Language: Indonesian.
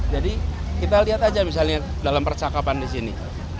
jadi kita lihat aja misalnya dalam percakapan di sini